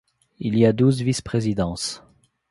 Il y a douze vice-présidences.